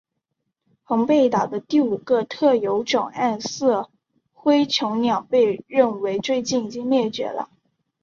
澎贝岛的第五个特有种暗色辉椋鸟被认为最近已经灭绝了。